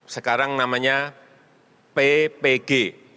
sekarang namanya ppg